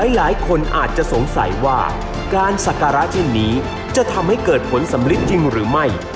หลายคนอาจจะสงสัยว่าการสักการะเช่นนี้จะทำให้เกิดผลสำลิดจริงหรือไม่